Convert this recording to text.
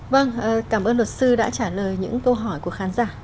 vâng cảm ơn luật sư đã trả lời những câu hỏi của khán giả